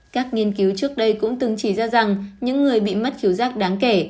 các nghiên cứu trước đây cũng từng chỉ ra rằng những người bị mất khiếu giác đáng kể